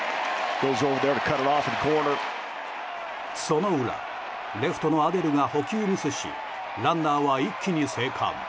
その裏、レフトのアデルが捕球ミスしランナーは一気に生還。